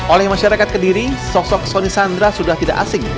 oleh masyarakat kediri sosok soni sandra sudah tidak asing